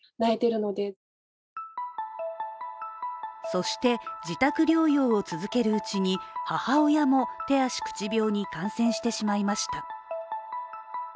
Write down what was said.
そして自宅療養を続けるうちに母親も手足口病に感染してしまいました。